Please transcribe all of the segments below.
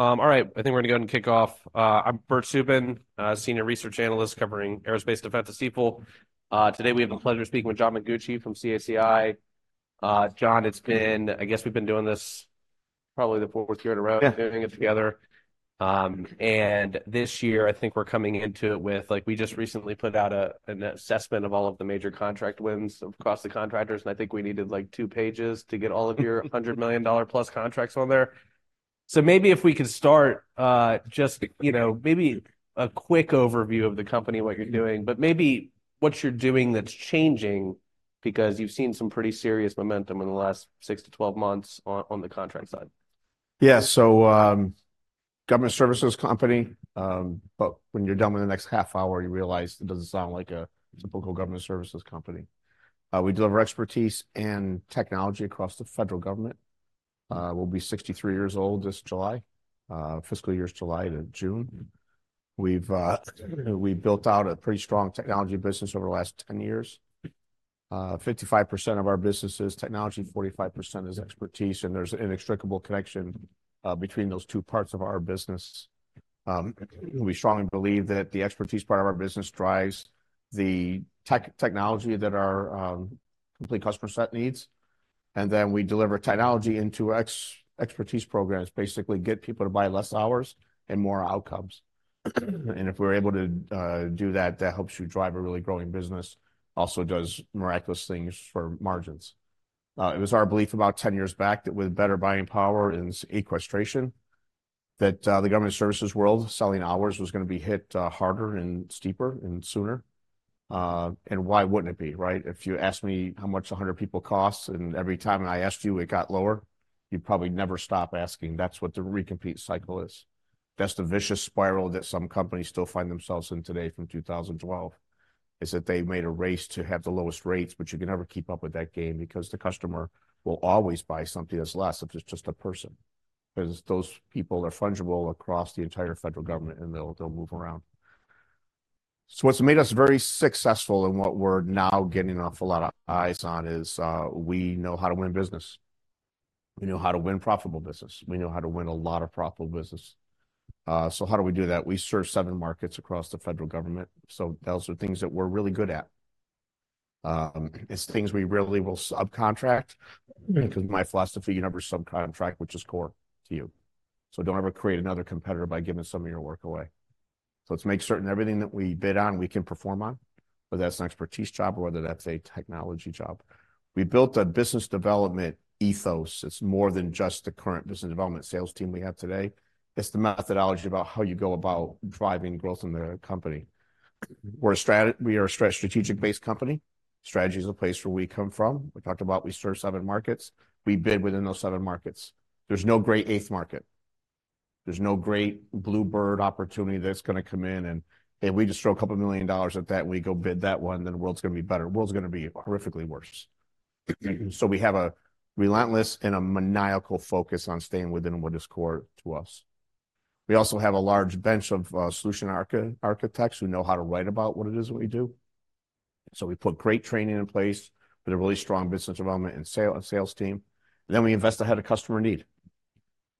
All right, I think we're gonna go ahead and kick off. I'm Bert Subin, a senior research analyst covering aerospace, defense, and people. Today, we have the pleasure of speaking with John Mengucci from CACI. John, it's been - I guess we've been doing this probably the fourth year in a row - Yeah - doing it together. And this year, I think we're coming into it with, like, we just recently put out a, an assessment of all of the major contract wins across the contractors, and I think we needed, like, two pages to get all of your $100 million-plus contracts on there. So maybe if we could start, just, you know, maybe a quick overview of the company, what you're doing, but maybe what you're doing that's changing, because you've seen some pretty serious momentum in the last 6-12 months on the contract side. Yeah. So, government services company, but when you're done with the next half hour, you realize it doesn't sound like a typical government services company. We deliver expertise and technology across the federal government. We'll be 63 years old this July. Fiscal year's July to June. We've built out a pretty strong technology business over the last 10 years. 55% of our business is technology, 45% is expertise, and there's an inextricable connection between those two parts of our business. We strongly believe that the expertise part of our business drives the technology that our complete customer set needs, and then we deliver technology into expertise programs. Basically, get people to buy less hours and more outcomes. If we're able to do that, that helps you drive a really growing business. Also, does miraculous things for margins. It was our belief about 10 years back that with better buying power and sequestration, that the government services world, selling hours, was gonna be hit harder and steeper and sooner. And why wouldn't it be, right? If you asked me how much 100 people cost, and every time I asked you, it got lower, you'd probably never stop asking. That's what the recompete cycle is. That's the vicious spiral that some companies still find themselves in today from 2012, is that they've made a race to have the lowest rates, but you can never keep up with that game because the customer will always buy something that's less if it's just a person. Because those people are fungible across the entire federal government, and they'll move around. So what's made us very successful, and what we're now getting an awful lot of eyes on is, we know how to win business. We know how to win profitable business. We know how to win a lot of profitable business. So how do we do that? We serve seven markets across the federal government, so those are things that we're really good at. It's things we rarely will subcontract, because my philosophy, you never subcontract what is core to you. So don't ever create another competitor by giving some of your work away. So let's make certain everything that we bid on, we can perform on, whether that's an expertise job or whether that's a technology job. We built a business development ethos. It's more than just the current business development sales team we have today. It's the methodology about how you go about driving growth in the company. We're a strategic-based company. Strategy is the place where we come from. We talked about we serve seven markets. We bid within those seven markets. There's no great eighth market. There's no great blue bird opportunity that's gonna come in, and if we just throw a couple million dollars at that, and we go bid that one, then the world's gonna be better. The world's gonna be horrifically worse. So we have a relentless and a maniacal focus on staying within what is core to us. We also have a large bench of solution architects who know how to write about what it is that we do. So we put great training in place with a really strong business development and sale, and sales team. Then, we invest ahead of customer need.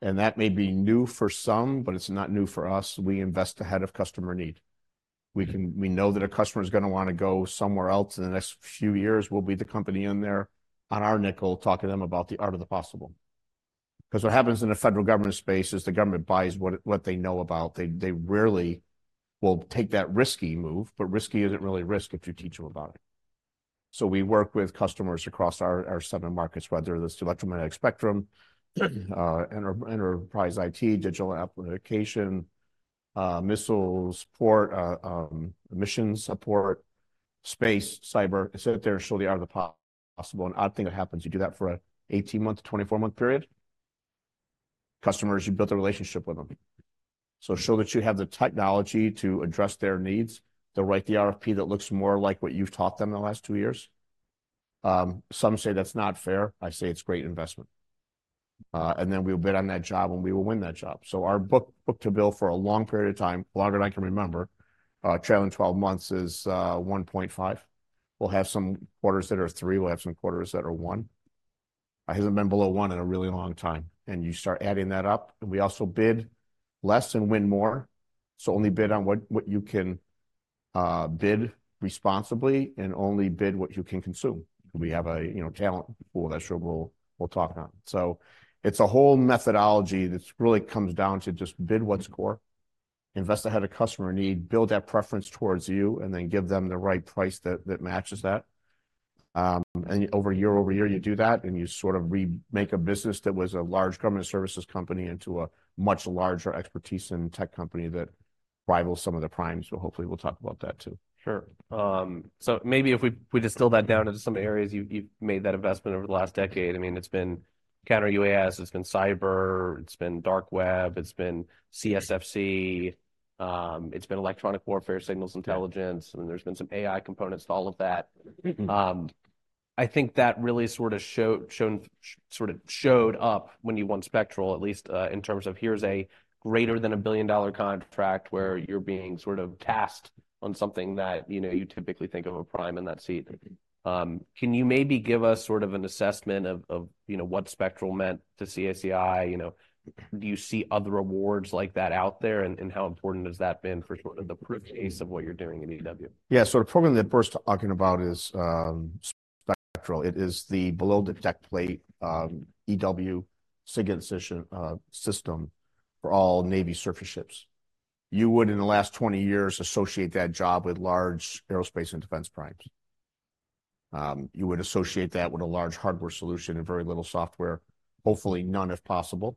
And that may be new for some, but it's not new for us. We invest ahead of customer need. We can. We know that a customer is gonna wanna go somewhere else in the next few years. We'll be the company in there on our nickel, talking to them about the art of the possible. Because what happens in a federal government space is the government buys what they know about. They rarely will take that risky move, but risky isn't really risk if you teach them about it. So we work with customers across our seven markets, whether that's electromagnetic spectrum, enterprise IT, digital application, missiles support, mission support, space, cyber. Sit there and show the art of the possible. An odd thing that happens, you do that for an 18-month to 24-month period, customers, you build a relationship with them. So show that you have the technology to address their needs. They'll write the RFP that looks more like what you've taught them in the last two years. Some say that's not fair. I say it's great investment. And then we'll bid on that job, and we will win that job. So our book-to-bill for a long period of time, longer than I can remember, trailing 12 months is 1.5. We'll have some quarters that are 3, we'll have some quarters that are 1. It hasn't been below 1 in a really long time, and you start adding that up... We also bid less and win more, so only bid on what you can bid responsibly and only bid what you can consume. We have a talent pool, you know, that's, we'll talk about. So it's a whole methodology that's really comes down to just bid what's core, invest ahead of customer need, build that preference towards you, and then give them the right price that matches that. And year over year, you do that, and you sort of remake a business that was a large government services company into a much larger expertise and tech company that rivals some of the primes. So hopefully, we'll talk about that too. Sure. So maybe if we distill that down into some areas, you've made that investment over the last decade. I mean, it's been Counter-UAS, it's been cyber, it's been dark web, it's been CSfC, it's been electronic warfare, signals intelligence- Yeah. and there's been some AI components to all of that. I think that really sort of showed up when you won Spectral, at least, in terms of here's a greater than $1 billion contract where you're being sort of tasked on something that, you know, you typically think of a prime in that seat. Can you maybe give us sort of an assessment of, you know, what Spectral meant to CACI? You know, do you see other awards like that out there, and how important has that been for sort of the proof of pace of what you're doing at EW? Yeah, so the program that first talking about is, Spectral. It is the below-the-deck plate, EW signal decision, system for all Navy surface ships. You would, in the last 20 years, associate that job with large aerospace and defense primes. You would associate that with a large hardware solution and very little software, hopefully none, if possible.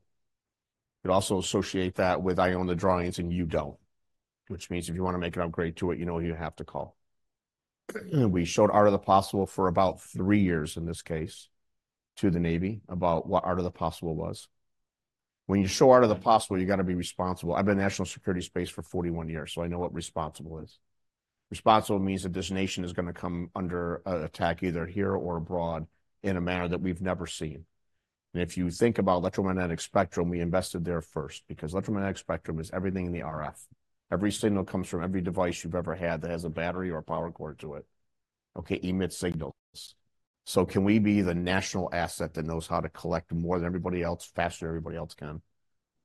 You'd also associate that with, "I own the drawings, and you don't," which means if you want to make an upgrade to it, you know who you have to call. We showed art of the possible for about 3 years in this case, to the Navy, about what art of the possible was. When you show art of the possible, you've got to be responsible. I've been in national security space for 41 years, so I know what responsible is. Responsible means that this nation is going to come under attack, either here or abroad, in a manner that we've never seen. And if you think about electromagnetic spectrum, we invested there first because electromagnetic spectrum is everything in the RF. Every signal comes from every device you've ever had that has a battery or a power cord to it, okay, emits signals. So can we be the national asset that knows how to collect more than everybody else, faster than everybody else can?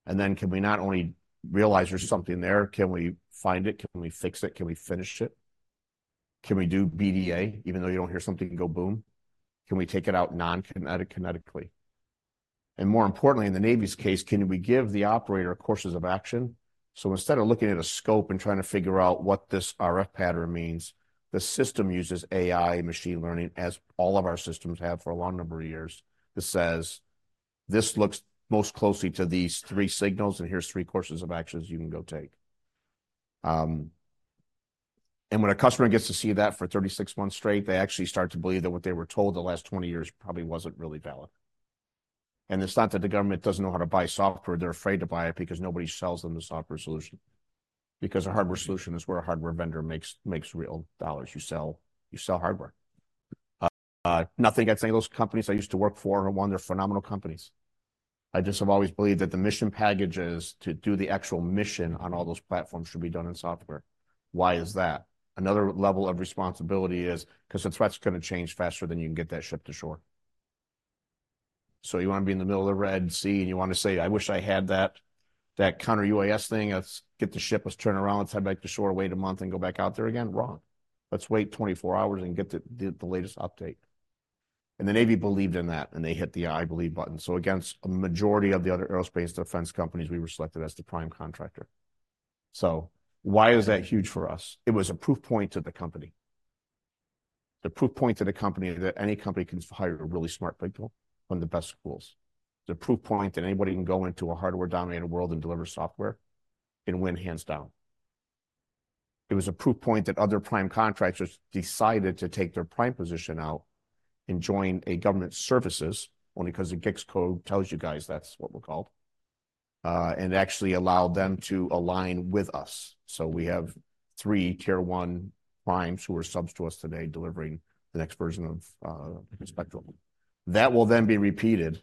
And then, can we not only realize there's something there, can we find it? Can we fix it? Can we finish it? Can we do BDA, even though you don't hear something go boom? Can we take it out non-kinetic, kinetically? And more importantly, in the Navy's case, can we give the operator courses of action? So instead of looking at a scope and trying to figure out what this RF pattern means, the system uses AI and machine learning, as all of our systems have for a long number of years. This says, "This looks most closely to these 3 signals, and here's 3 courses of actions you can go take." And when a customer gets to see that for 36 months straight, they actually start to believe that what they were told the last 20 years probably wasn't really valid. And it's not that the government doesn't know how to buy software, they're afraid to buy it because nobody sells them the software solution. Because a hardware solution is where a hardware vendor makes real dollars. You sell hardware. Nothing against any of those companies I used to work for, number one, they're phenomenal companies. I just have always believed that the mission packages to do the actual mission on all those platforms should be done in software. Why is that? Another level of responsibility is because the threat's going to change faster than you can get that ship to shore. So you want to be in the middle of the Red Sea, and you want to say, "I wish I had that, that counter UAS thing. Let's get the ship, let's turn around, let's head back to shore, wait a month, and go back out there again?" Wrong. Let's wait 24 hours and get the latest update. And the Navy believed in that, and they hit the "I believe" button. So against a majority of the other aerospace and defense companies, we were selected as the prime contractor. So why is that huge for us? It was a proof point to the company. The proof point to the company that any company can hire really smart people from the best schools. It's a proof point that anybody can go into a hardware-dominated world and deliver software and win, hands down. It was a proof point that other prime contractors decided to take their prime position out and join a government services, only because the GICS code tells you guys that's what we're called, and actually allowed them to align with us. So we have three Tier One primes who are subs to us today, delivering the next version of Spectral. That will then be repeated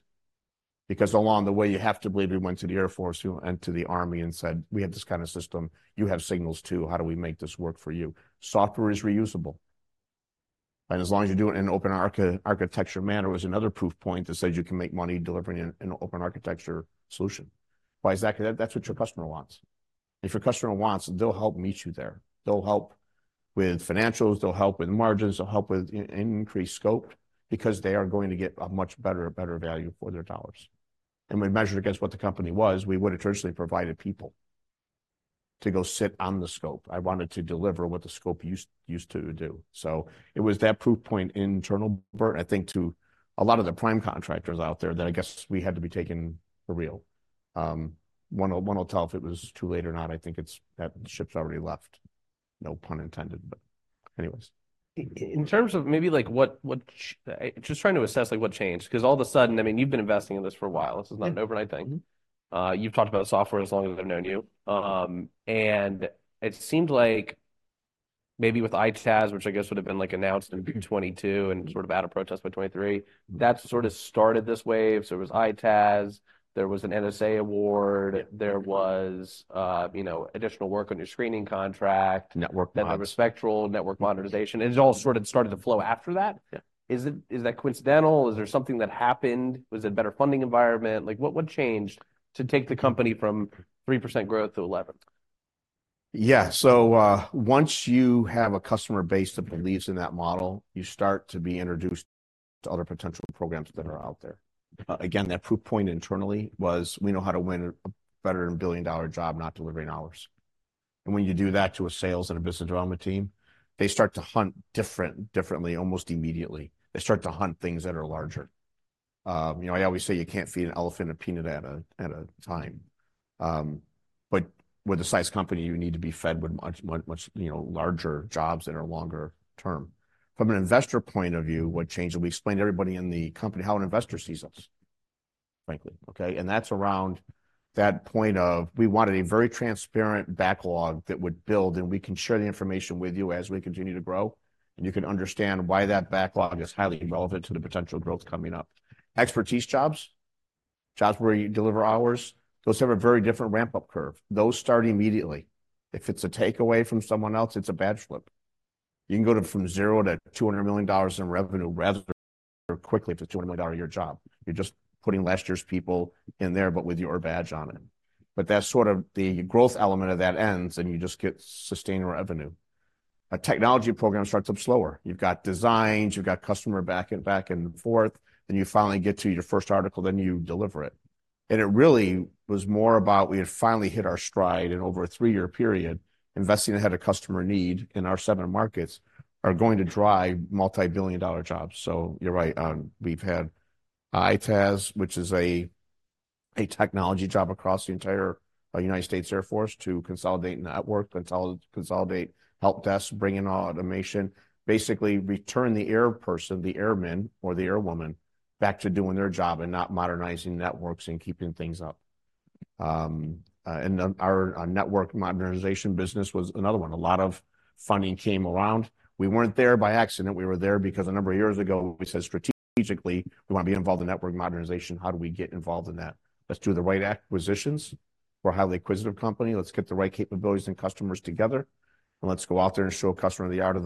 because along the way, you have to believe we went to the Air Force and to the Army and said: "We have this kind of system. You have signals too. How do we make this work for you?" Software is reusable, and as long as you do it in an open architecture manner, it was another proof point that said you can make money delivering an open architecture solution. Why is that? Because that's what your customer wants. If your customer wants, they'll help meet you there. They'll help with financials, they'll help with margins, they'll help with increased scope because they are going to get a much better, a better value for their dollars. And we measured against what the company was, we would have traditionally provided people to go sit on the scope. I wanted to deliver what the scope used to do. So it was that proof point internal, but I think to a lot of the prime contractors out there, that I guess we had to be taken for real. One will tell if it was too late or not. I think it's that ship's already left, no pun intended, but anyways. In terms of maybe, like, just trying to assess, like, what changed? Because all of a sudden, I mean, you've been investing in this for a while. This is not an overnight thing. Mm-hmm. You've talked about software as long as I've known you. It seemed like maybe with EITaaS, which I guess would've been, like, announced in 2022- Mm. and sort of had a protest by 2023, that sort of started this wave. So it was EITaaS, there was an NSA award- Yeah. - there was, you know, additional work on your screening contract- Network mods. Then the Spectral network modernization. It all sort of started to flow after that. Yeah. Is that coincidental, or is there something that happened? Was it a better funding environment? Like, what changed to take the company from 3% growth to 11%? Yeah. So once you have a customer base that believes in that model, you start to be introduced to other potential programs that are out there. Again, that proof point internally was, we know how to win a better than a billion-dollar job, not delivering hours. And when you do that to a sales and a business development team, they start to hunt different, differently, almost immediately. They start to hunt things that are larger. You know, I always say you can't feed an elephant a peanut at a time. But with a sized company, you need to be fed with much, much, you know, larger jobs that are longer term. From an investor point of view, what changed? And we explained to everybody in the company how an investor sees us.... frankly, okay? And that's around that point of we wanted a very transparent backlog that would build, and we can share the information with you as we continue to grow. And you can understand why that backlog is highly relevant to the potential growth coming up. Expertise jobs, jobs where you deliver hours, those have a very different ramp-up curve. Those start immediately. If it's a takeaway from someone else, it's a badge flip. You can go from zero to $200 million in revenue rather quickly if it's a $200 million-a-year job. You're just putting last year's people in there, but with your badge on it. But that's sort of the growth element of that ends, and you just get sustained revenue. A technology program starts up slower. You've got designs, you've got customer back and forth, then you finally get to your first article, then you deliver it. It really was more about we had finally hit our stride in over a three-year period. Investing ahead of customer need in our seven markets are going to drive multi-billion-dollar jobs. So you're right, we've had EITaaS, which is a technology job across the entire United States Air Force to consolidate networks, consolidate help desks, bring in automation. Basically, return the air person, the airman or the airwoman, back to doing their job and not modernizing networks and keeping things up. And then our network modernization business was another one. A lot of funding came around. We weren't there by accident, we were there because a number of years ago, we said, "Strategically, we want to be involved in network modernization. How do we get involved in that? Let's do the right acquisitions. We're a highly acquisitive company. Let's get the right capabilities and customers together, and let's go out there and show a customer the art of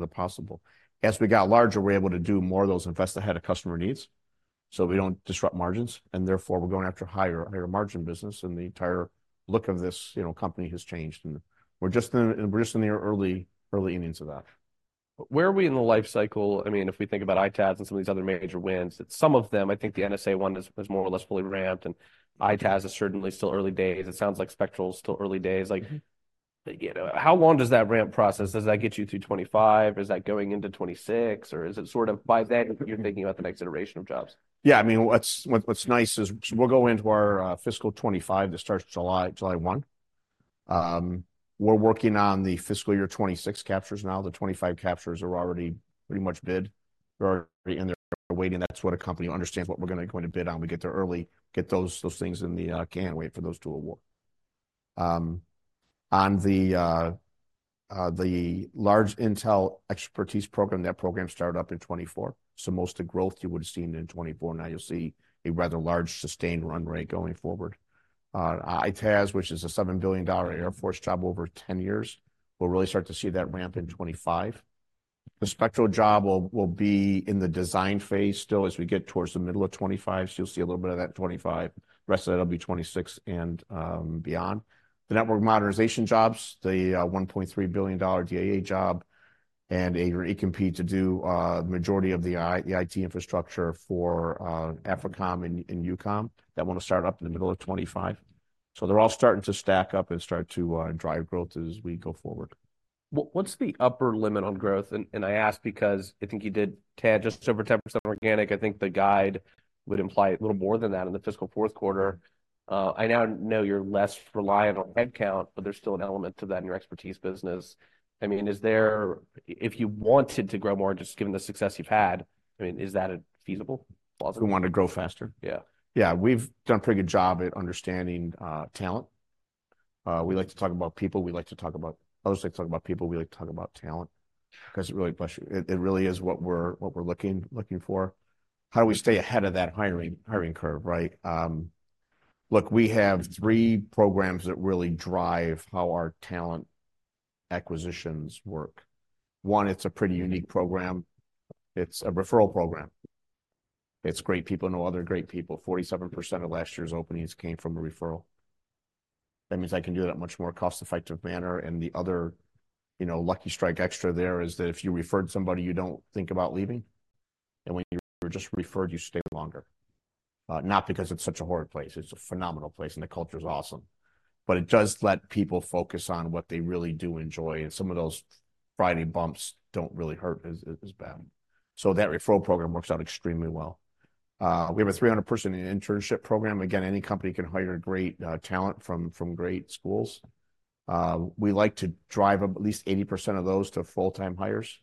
the possible." As we got larger, we were able to do more of those, invest ahead of customer needs, so we don't disrupt margins, and therefore, we're going after higher, higher-margin business. The entire look of this, you know, company has changed, and we're just in the early innings of that. Where are we in the life cycle? I mean, if we think about ITAS and some of these other major wins, some of them, I think the NSA one is more or less fully ramped, and ITAS is certainly still early days. It sounds like Spectral's still early days. Like, you know, how long does that ramp process, does that get you through 2025? Is that going into 2026, or is it sort of by then, you're thinking about the next iteration of jobs? Yeah, I mean, what's nice is we'll go into our fiscal 2025 that starts July 1. We're working on the fiscal year 2026 captures now. The 2025 captures are already pretty much bid. We're already in there waiting. That's what a company understands, what we're going to go in to bid on. We get there early, get those things in the can, wait for those to award. On the large intel expertise program, that program started up in 2024, so most of the growth you would've seen in 2024. Now you'll see a rather large sustained run rate going forward. EITaaS, which is a $7 billion Air Force job over 10 years, we'll really start to see that ramp in 2025. The Spectral job will be in the design phase still as we get towards the middle of 2025, so you'll see a little bit of that in 2025. The rest of that'll be 2026 and beyond. The network modernization jobs, the $1.3 billion DIA job, and we compete to do the majority of the IT infrastructure for AFRICOM and EUCOM. That one will start up in the middle of 2025. So they're all starting to stack up and start to drive growth as we go forward. What’s the upper limit on growth? And I ask because I think you had just over 10% organic. I think the guide would imply a little more than that in the fiscal fourth quarter. I now know you’re less reliant on headcount, but there’s still an element to that in your expertise business. I mean, is there... If you wanted to grow more, just given the success you’ve had, I mean, is that a feasible possibility? We want to grow faster? Yeah. Yeah, we've done a pretty good job at understanding talent. We like to talk about people. I also like to talk about people, we like to talk about talent because it really is what we're looking for. How do we stay ahead of that hiring curve, right? Look, we have three programs that really drive how our talent acquisitions work. One, it's a pretty unique program. It's a referral program. It's great people know other great people: 47% of last year's openings came from a referral. That means I can do that in a much more cost-effective manner. And the other, you know, lucky strike extra there is that if you referred somebody, you don't think about leaving, and when you were just referred, you stay longer. Not because it's such a horrid place, it's a phenomenal place, and the culture's awesome, but it does let people focus on what they really do enjoy, and some of those Friday bumps don't really hurt as bad. So that referral program works out extremely well. We have a 300-person internship program. Again, any company can hire great talent from great schools. We like to drive up at least 80% of those to full-time hires.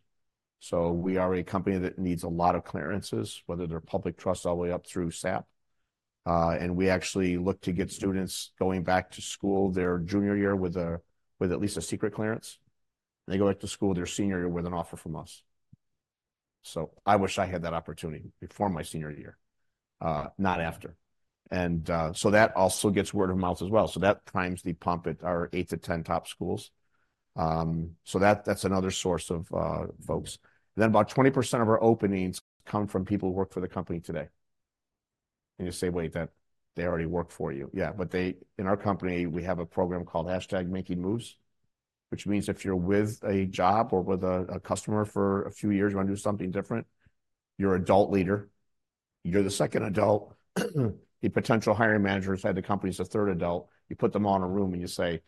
So we are a company that needs a lot of clearances, whether they're Public Trust, all the way up through SAP. And we actually look to get students going back to school their junior year with at least a Secret clearance, and they go back to school their senior year with an offer from us. So I wish I had that opportunity before my senior year, not after. And, so that also gets word of mouth as well. So that primes the pump at our 8-10 top schools. So that, that's another source of folks. Then, about 20% of our openings come from people who work for the company today. And you say, "Wait, that they already work for you?" Yeah, but they. In our company, we have a program called Hashtag Making Moves, which means if you're with a job or with a customer for a few years, you want to do something different, your adult leader, you're the second adult, the potential hiring manager inside the company is the third adult. You put them all in a room, and you say,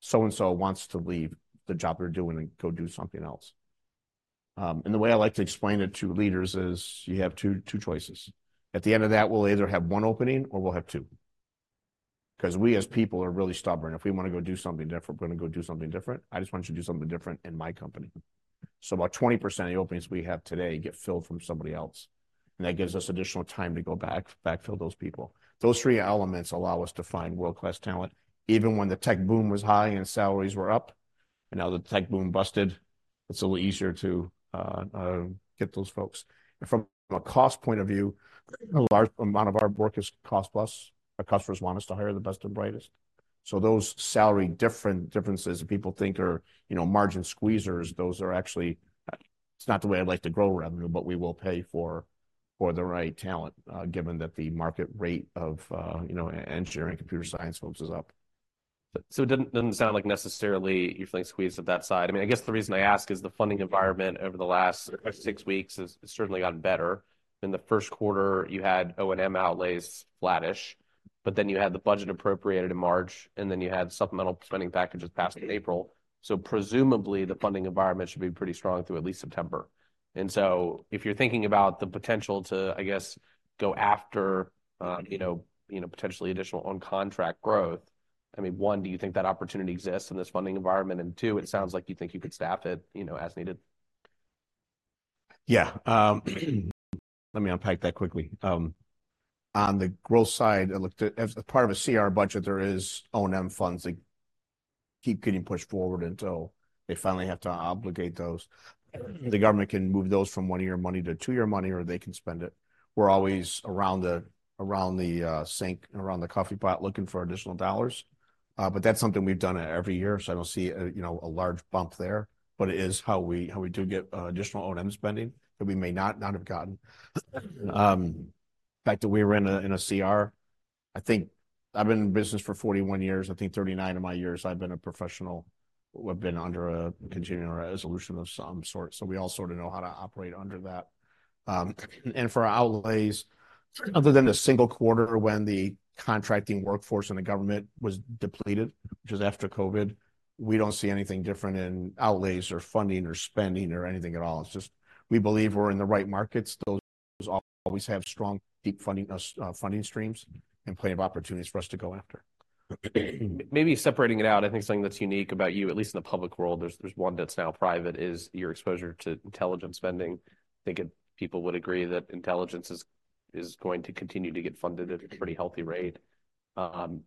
"So-and-so wants to leave the job they're doing and go do something else." And the way I like to explain it to leaders is, you have two, two choices. At the end of that, we'll either have one opening or we'll have two.... 'cause we as people are really stubborn. If we wanna go do something different, we're gonna go do something different. I just want you to do something different in my company. So about 20% of the openings we have today get filled from somebody else, and that gives us additional time to go back, backfill those people. Those three elements allow us to find world-class talent, even when the tech boom was high and salaries were up, and now the tech boom busted, it's a little easier to get those folks. And from a cost point of view, a large amount of our work is cost-plus. Our customers want us to hire the best and brightest. So those salary differences that people think are, you know, margin squeezers, those are actually, it's not the way I'd like to grow revenue, but we will pay for the right talent, given that the market rate of, you know, engineering, computer science folks is up. So it doesn't sound like necessarily you're feeling squeezed at that side. I mean, I guess the reason I ask is the funding environment over the last 6 weeks has certainly gotten better. In the first quarter, you had O&M outlays flattish, but then you had the budget appropriated in March, and then you had supplemental spending packages passed in April. So presumably, the funding environment should be pretty strong through at least September. And so if you're thinking about the potential to, I guess, go after, you know, you know, potentially additional on-contract growth, I mean, one, do you think that opportunity exists in this funding environment? And two, it sounds like you think you could staff it, you know, as needed. Yeah, let me unpack that quickly. On the growth side, I looked at as part of a CR budget, there is O&M funds that keep getting pushed forward until they finally have to obligate those. The government can move those from one-year money to two-year money, or they can spend it. We're always around the sink and around the coffee pot looking for additional dollars. But that's something we've done every year, so I don't see, you know, a large bump there. But it is how we do get additional O&M spending that we may not have gotten. The fact that we were in a CR, I think... I've been in business for 41 years. I think 39 of my years, I've been a professional, we've been under a Continuing Resolution of some sort, so we all sort of know how to operate under that. And for our outlays, other than the single quarter when the contracting workforce and the government was depleted, which was after COVID, we don't see anything different in outlays or funding or spending or anything at all. It's just we believe we're in the right markets. Those always have strong, deep funding, funding streams and plenty of opportunities for us to go after. Maybe separating it out, I think something that's unique about you, at least in the public world, there's one that's now private, is your exposure to intelligence spending. I think it—people would agree that intelligence is going to continue to get funded at a pretty healthy rate. Can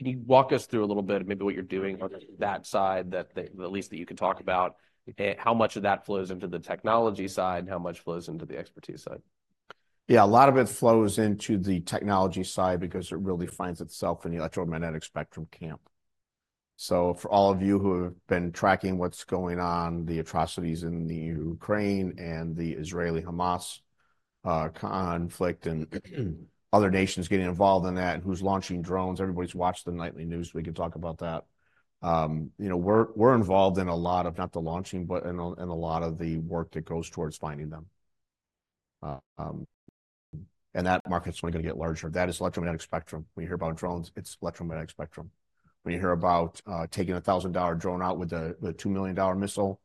you walk us through a little bit of maybe what you're doing on that side, at least that you can talk about? How much of that flows into the technology side, and how much flows into the expertise side? Yeah, a lot of it flows into the technology side because it really finds itself in the electromagnetic spectrum camp. So for all of you who have been tracking what's going on, the atrocities in the Ukraine and the Israeli-Hamas conflict, and other nations getting involved in that, and who's launching drones, everybody's watched the nightly news. We could talk about that. You know, we're involved in a lot of, not the launching, but in a lot of the work that goes towards finding them. And that market's only gonna get larger. That is electromagnetic spectrum. When you hear about drones, it's electromagnetic spectrum. When you hear about taking a $1,000 drone out with a $2 million missile,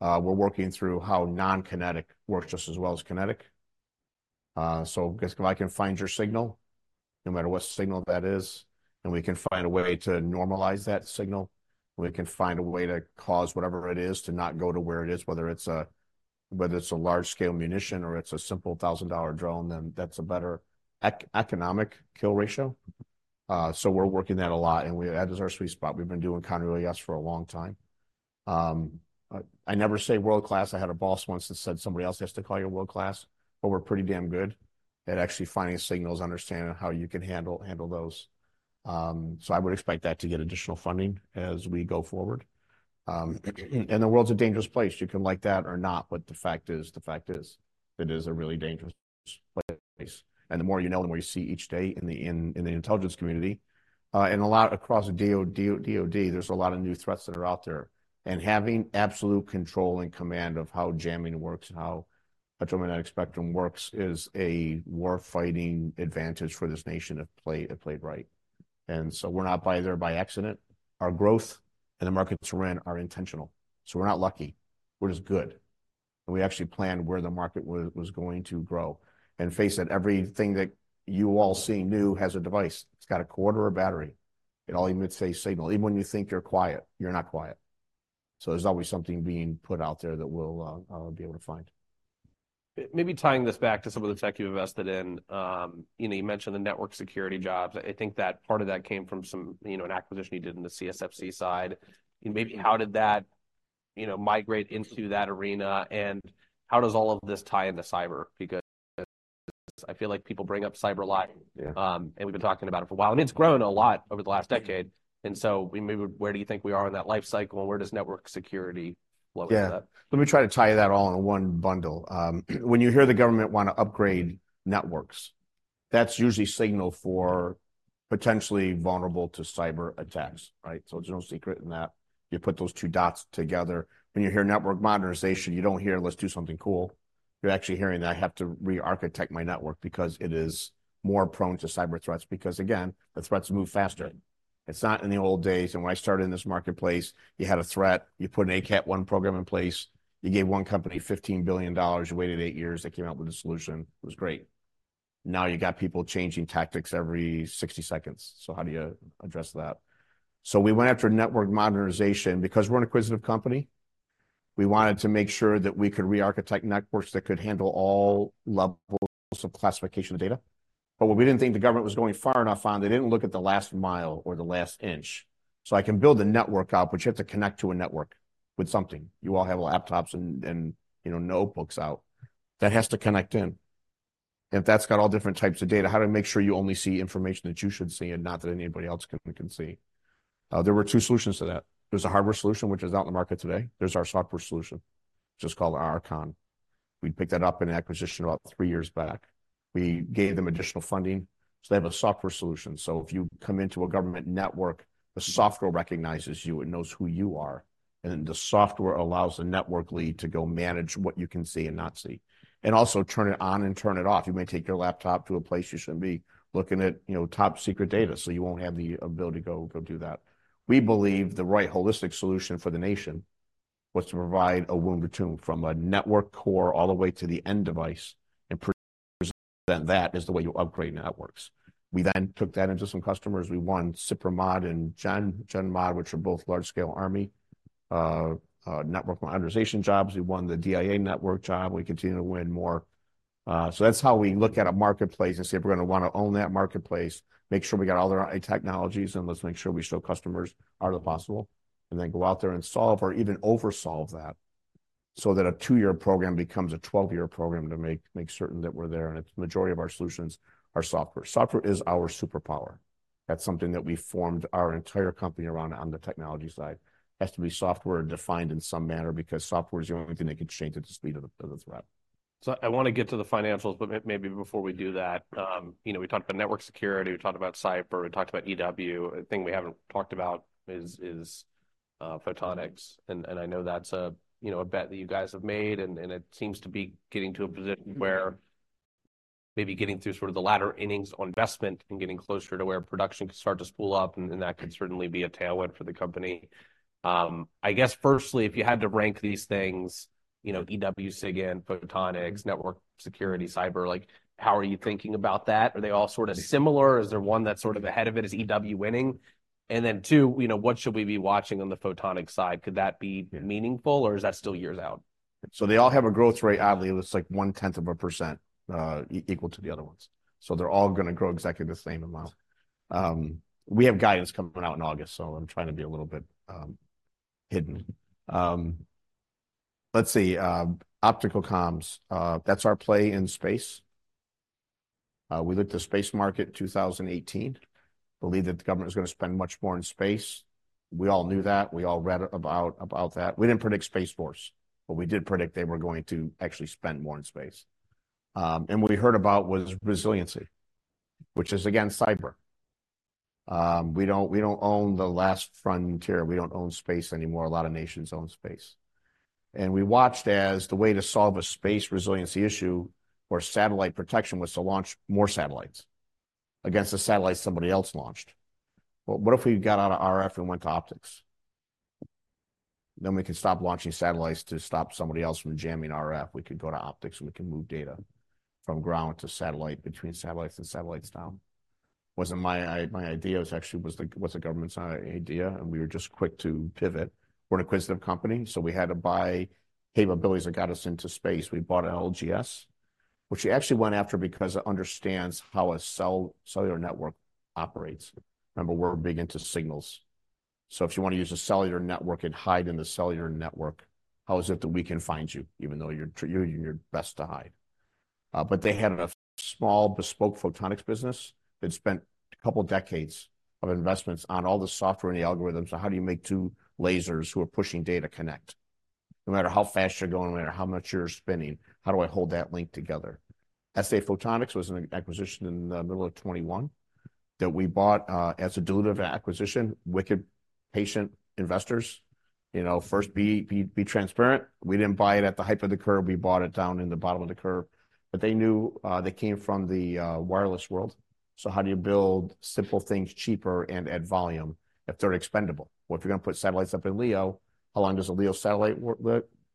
we're working through how non-kinetic works just as well as kinetic. So guess if I can find your signal, no matter what signal that is, and we can find a way to normalize that signal, we can find a way to cause whatever it is to not go to where it is, whether it's a, whether it's a large-scale munition or it's a simple $1,000 drone, then that's a better economic kill ratio. So we're working that a lot, and that is our sweet spot. We've been doing counter-UAS for a long time. I never say world-class. I had a boss once that said, "Somebody else has to call you world-class," but we're pretty damn good at actually finding signals, understanding how you can handle those. So I would expect that to get additional funding as we go forward. And the world's a dangerous place. You can like that or not, but the fact is, the fact is it is a really dangerous place. And the more you know, the more you see each day in the intelligence community, and a lot across the DoD, there's a lot of new threats that are out there. And having absolute control and command of how jamming works and how electromagnetic spectrum works is a war-fighting advantage for this nation if played right. And so we're not by there by accident. Our growth and the markets we're in are intentional. So we're not lucky. We're just good, and we actually planned where the market was going to grow. And face it, everything that you all see new has a device. It's got a cord or a battery. It all emits a signal. Even when you think you're quiet, you're not quiet. So there's always something being put out there that we'll be able to find. Maybe tying this back to some of the tech you invested in, you know, you mentioned the network security jobs. I think that part of that came from some, you know, an acquisition you did in the CSfC side. And maybe how did that, you know, migrate into that arena, and how does all of this tie into cyber? Because I feel like people bring up cyber a lot. Yeah. We've been talking about it for a while, and it's grown a lot over the last decade. So we maybe, where do you think we are in that life cycle, and where does network security flow into that? Yeah. Let me try to tie that all in one bundle. When you hear the government wanna upgrade networks, that's usually signal for potentially vulnerable to cyber attacks, right? So there's no secret in that. You put those two dots together. When you hear network modernization, you don't hear, "Let's do something cool." You're actually hearing that I have to rearchitect my network because it is more prone to cyber threats because, again, the threats move faster. It's not in the old days, and when I started in this marketplace, you had a threat, you put an ACAT I program in place, you gave one company $15 billion. You waited eight years, they came out with a solution. It was great. Now, you got people changing tactics every 60 seconds. So how do you address that? So we went after network modernization. Because we're an acquisitive company, we wanted to make sure that we could re-architect networks that could handle all levels of classification of data. But what we didn't think the government was going far enough on, they didn't look at the last mile or the last inch. So I can build a network out, but you have to connect to a network with something. You all have laptops and you know, notebooks out. That has to connect in. If that's got all different types of data, how do we make sure you only see information that you should see and not that anybody else can see? There were two solutions to that. There's a hardware solution, which is out in the market today. There's our software solution, which is called Archon. We picked that up in acquisition about three years back. We gave them additional funding, so they have a software solution. So if you come into a government network, the software recognizes you and knows who you are, and then the software allows the network lead to go manage what you can see and not see, and also turn it on and turn it off. You may take your laptop to a place you shouldn't be looking at, you know, top-secret data, so you won't have the ability to go, go do that. We believe the right holistic solution for the nation was to provide a womb to tomb, from a network core all the way to the end device, and then that is the way you upgrade networks. We then took that into some customers. We won SIPR Mod and Gen, Gen Mod, which are both large-scale Army network modernization jobs. We won the DIA network job. We continue to win more. So that's how we look at a marketplace and say, if we're going to want to own that marketplace, make sure we got all the right technologies, and let's make sure we show customers all that are possible, and then go out there and solve or even over-solve that, so that a two-year program becomes a 12-year program, to make certain that we're there, and the majority of our solutions are software. Software is our superpower. That's something that we formed our entire company around on the technology side. It has to be software-defined in some manner, because software is the only thing that can change at the speed of the threat. So I want to get to the financials, but maybe before we do that, you know, we talked about network security, we talked about cyber, we talked about EW. The thing we haven't talked about is photonics. And I know that's a, you know, a bet that you guys have made, and it seems to be getting to a position where maybe getting through sort of the latter innings on investment and getting closer to where production can start to spool up, and then that could certainly be a tailwind for the company. I guess, firstly, if you had to rank these things, you know, EW, SIG and photonics, network security, cyber, like, how are you thinking about that? Are they all sort of similar, or is there one that's sort of ahead of it? Is EW winning? And then, two, you know, what should we be watching on the photonics side? Could that be meaningful, or is that still years out? So they all have a growth rate. Oddly, it's like 0.1%, equal to the other ones. So they're all going to grow exactly the same amount. We have guidance coming out in August, so I'm trying to be a little bit, hidden. Let's see, optical comms, that's our play in space. We looked at the space market in 2018, believed that the government was going to spend much more in space. We all knew that. We all read about, about that. We didn't predict Space Force, but we did predict they were going to actually spend more in space. And what we heard about was resiliency, which is, again, cyber. We don't, we don't own the last frontier. We don't own space anymore. A lot of nations own space. And we watched as the way to solve a space resiliency issue, where satellite protection was to launch more satellites against the satellite somebody else launched. Well, what if we got out of RF and went to optics? Then we can stop launching satellites to stop somebody else from jamming RF. We could go to optics, and we can move data from ground to satellite, between satellites and satellites down. Wasn't my idea, it was actually the government's idea, and we were just quick to pivot. We're an acquisitive company, so we had to buy capabilities that got us into space. We bought LGS, which we actually went after because it understands how a cellular network operates. Remember, we're big into signals. So if you want to use a cellular network and hide in the cellular network, how is it that we can find you, even though you're doing your best to hide? But they had a small, bespoke photonics business that spent a couple of decades of investments on all the software and the algorithms. So how do you make two lasers who are pushing data connect? No matter how fast you're going, or no matter how much you're spinning, how do I hold that link together? SA Photonics was an acquisition in the middle of 2021 that we bought as a dilutive acquisition. We keep patient investors. You know, first, be transparent. We didn't buy it at the height of the curve; we bought it down in the bottom of the curve. But they knew, they came from the wireless world. So how do you build simple things cheaper and at volume if they're expendable? Well, if you're going to put satellites up in LEO, how long does a LEO satellite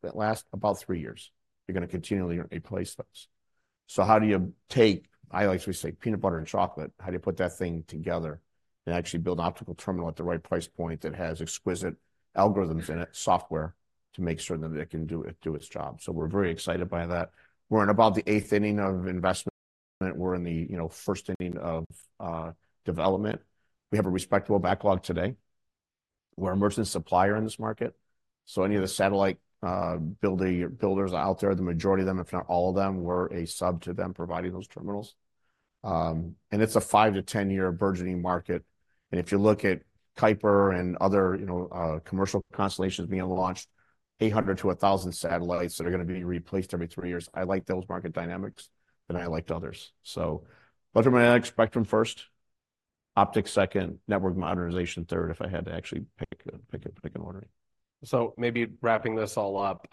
last? About three years. You're going to continually replace those. So how do you take, I like to say, peanut butter and chocolate, how do you put that thing together and actually build an optical terminal at the right price point that has exquisite algorithms in it, software, to make sure that it can do it, do its job? So we're very excited by that. We're in about the eighth inning of investment. We're in the, you know, first inning of development. We have a respectable backlog today. We're an emerging supplier in this market, so any of the satellite building builders out there, the majority of them, if not all of them, we're a sub to them, providing those terminals. And it's a 5-10-year burgeoning market. And if you look at Kuiper and other, you know, commercial constellations being launched, 800-1,000 satellites that are going to be replaced every 3 years, I like those market dynamics, and I liked others. So electromagnetic spectrum first, optics second, network modernization third, if I had to actually pick an order. ... So maybe wrapping this all up,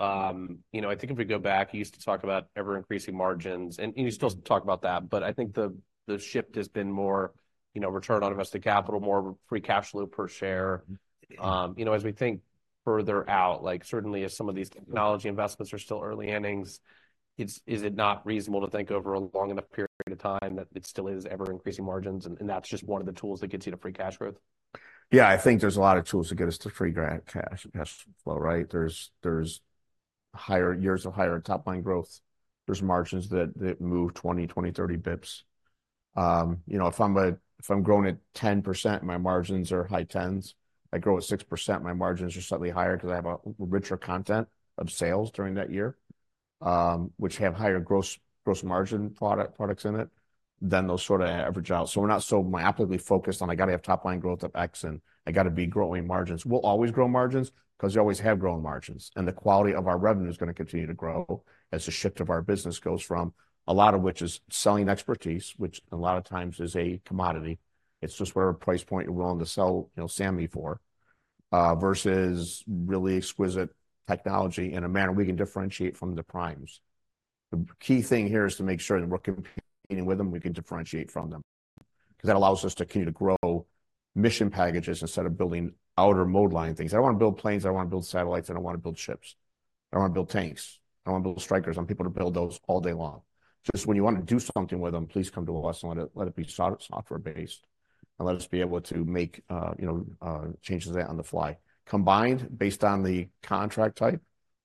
you know, I think if we go back, you used to talk about ever-increasing margins, and you still talk about that. But I think the shift has been more, you know, return on invested capital, more free cash flow per share. You know, as we think further out, like, certainly as some of these technology investments are still early innings, is it not reasonable to think over a long enough period of time that it still is ever-increasing margins, and that's just one of the tools that gets you to free cash growth? Yeah, I think there's a lot of tools to get us to free cash, cash flow, right? There's higher years of higher top-line growth. There's margins that move 20, 20, 30 basis points. You know, if I'm growing at 10%, my margins are high teens. I grow at 6%, my margins are slightly higher, because I have a richer content of sales during that year, which have higher gross margin products in it than those sort of average out. So we're not so myopically focused on, "I got to have top-line growth of X, and I got to be growing margins." We'll always grow margins, because we always have grown margins, and the quality of our revenue is going to continue to grow as the shift of our business goes from a lot of which is selling expertise, which a lot of times is a commodity. It's just where a price point you're willing to sell, you know, SME for, versus really exquisite technology in a manner we can differentiate from the primes. The key thing here is to make sure that we're competing with them, we can differentiate from them, because that allows us to continue to grow mission packages instead of building outer mode line things. I don't want to build planes, I don't want to build satellites, I don't want to build ships, I don't want to build tanks, I don't want to build Strykers. I want people to build those all day long. Just when you want to do something with them, please come to us and let it be software-based, and let us be able to make, you know, changes on the fly. Combined, based on the contract type,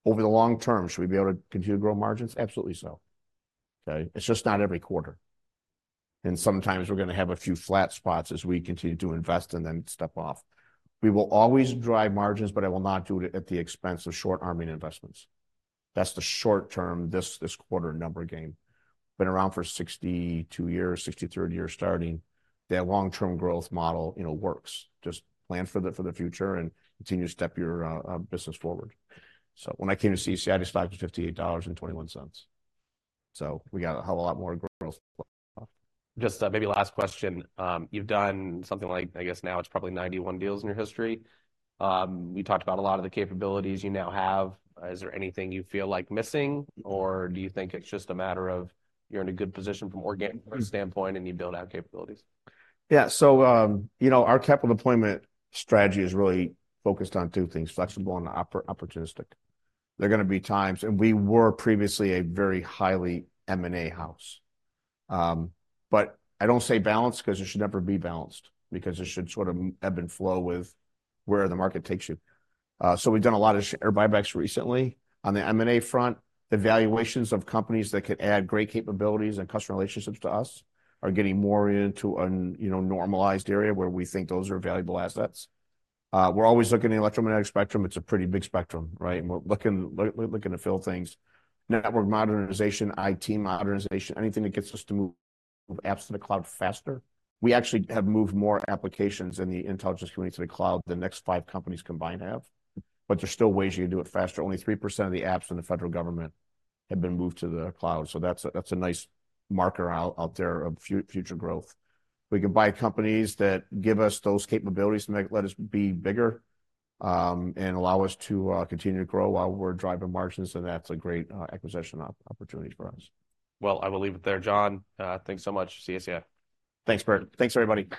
over the long term, should we be able to continue to grow margins? Absolutely so, okay? It's just not every quarter, and sometimes we're going to have a few flat spots as we continue to invest and then step off. We will always drive margins, but I will not do it at the expense of short-arming investments. That's the short term, this, this quarter number game. Been around for 62 years, 63rd year starting. That long-term growth model, you know, works. Just plan for the future and continue to step your business forward. So when I came to CACI, the stock was $58.21, so we got a hell of a lot more growth left. Just, maybe last question. You've done something like, I guess now it's probably 91 deals in your history. You talked about a lot of the capabilities you now have. Is there anything you feel like missing, or do you think it's just a matter of you're in a good position from organic standpoint and you build out capabilities? Yeah. So, you know, our capital deployment strategy is really focused on two things: flexible and opportunistic. There are going to be times... We were previously a very highly M&A house. But I don't say balanced, because it should never be balanced, because it should sort of ebb and flow with where the market takes you. So we've done a lot of share buybacks recently. On the M&A front, the valuations of companies that could add great capabilities and customer relationships to us are getting more into an, you know, normalized area, where we think those are valuable assets. We're always looking at the electromagnetic spectrum. It's a pretty big spectrum, right? And we're looking to fill things. Network modernization, IT modernization, anything that gets us to move apps to the cloud faster. We actually have moved more applications in the intelligence community to the cloud than the next five companies combined have, but there's still ways you can do it faster. Only 3% of the apps in the federal government have been moved to the cloud, so that's a nice marker out there of future growth. We can buy companies that give us those capabilities to let us be bigger and allow us to continue to grow while we're driving margins, and that's a great acquisition opportunity for us. Well, I will leave it there, John. Thanks so much. CACI. Thanks, Bert. Thanks, everybody.